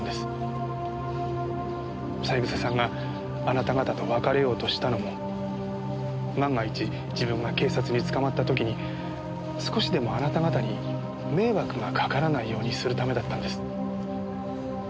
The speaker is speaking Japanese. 三枝さんがあなた方と別れようとしたのも万が一自分が警察に捕まった時に少しでもあなた方に迷惑がかからないようにするためだったんです。